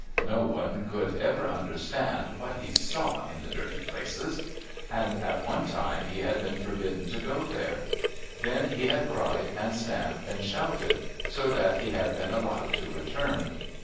No one could ever understand "what he saw in the dirty place," and at one time he had been forbidden to go there. Then he had cried and stamped and shouted, so that he had been allowed to return.